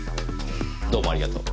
どうもありがとう。